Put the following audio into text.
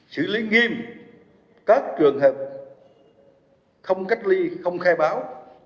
xử lý nghiêm các trường hợp không cách ly không khai báo